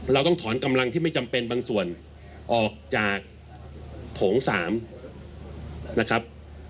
เราต้องถอนกำลังที่ไม่จำเป็นบางส่วนออกจากโถง๓นะครับ